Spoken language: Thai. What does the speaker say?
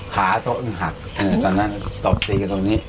ขาโต๊ะคือหักตอนนั้นตบตีตรงนี้